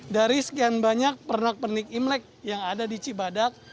dari sekian banyak pernak pernik imlek yang ada di cibadak